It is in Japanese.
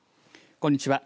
こんにちは。